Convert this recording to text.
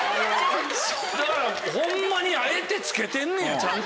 だからホンマにあえて付けてんねやちゃんと。